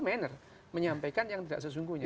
mener menyampaikan yang tidak sesungguhnya